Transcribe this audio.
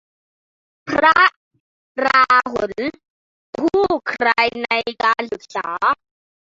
พระราหุล ผู้ใคร่ในการศึกษา